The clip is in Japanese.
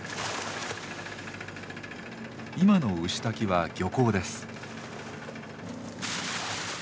今の牛滝は漁港です。